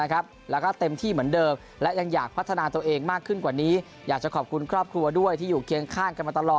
แล้วก็เต็มที่เหมือนเดิมและยังอยากพัฒนาตัวเองมากขึ้นกว่านี้อยากจะขอบคุณครอบครัวด้วยที่อยู่เคียงข้างกันมาตลอด